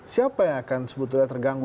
siapa yang akan sebetulnya terganggu